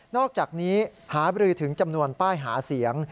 อกจากนี้หาบรือถึงจำนวนป้ายหาเสียง